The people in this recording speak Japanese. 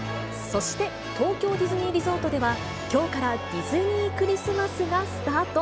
そして東京ディズニーリゾートでは、きょうからディズニー・クリスマスがスタート。